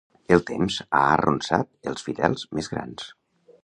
El temps ha arronsat els fidels més grans.